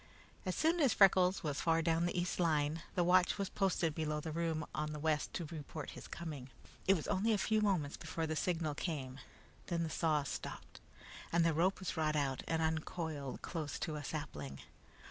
As soon as Freckles was far down the east line, the watch was posted below the room on the west to report his coming. It was only a few moments before the signal came. Then the saw stopped, and the rope was brought out and uncoiled close to a sapling.